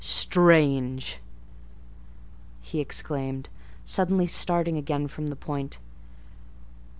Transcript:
Strange!" he exclaimed, suddenly starting again from the point.